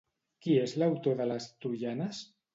Qui és l'autor de les "troianes"?